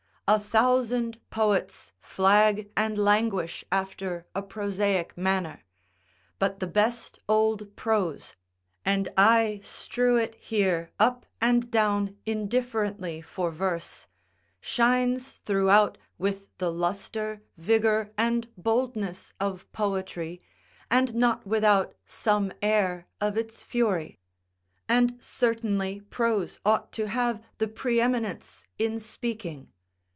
A thousand poets flag and languish after a prosaic manner; but the best old prose (and I strew it here up and down indifferently for verse) shines throughout with the lustre, vigour, and boldness of poetry, and not without some air of its fury. And certainly prose ought to have the pre eminence in speaking.